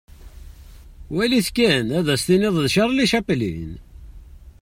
Wali-t kan, ad as-tiniḍ d Charlie Chaplin.